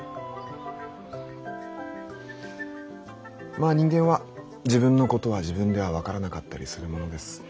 まあ人間は自分のことは自分では分からなかったりするものです。